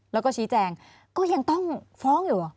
แล้วก็ชี้แจงก็ยังต้องฟ้องอยู่เหรอ